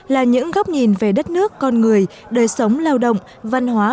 là những góc nhìn về đất nước con người đời sống lao động văn hóa